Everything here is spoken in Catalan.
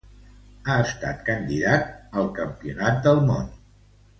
Ha estat candidat al Campionat del Món.